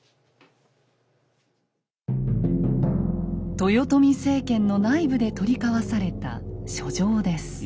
豊臣政権の内部で取り交わされた書状です。